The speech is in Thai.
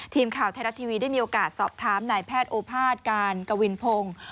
ทีมข่าวไทยรัฐทีวีได้มีโอกาสสอบถามนายแพทย์โอภาษย์การกวินพงศ์